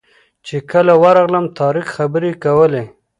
چې کله ورغلم طارق خبرې کولې.